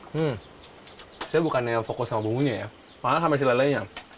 hmm saya bukannya fokus sama bumbunya ya malah sama si lelenya